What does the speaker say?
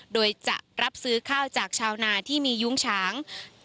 โดยจะรับซื้อข้าวจากชาวนาที่มียุ้งฉาง